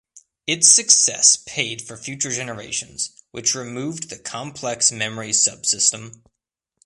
Its success paid for future generations, which removed the complex memory sub-system.